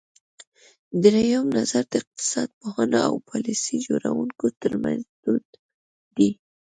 درېیم نظر د اقتصاد پوهانو او پالیسۍ جوړوونکو ترمنځ دود دی.